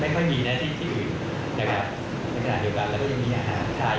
กว่าที่ที่นี่ตำรวมค่ะ